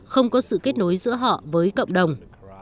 không có sự kết nối giữa họ với cộng đồng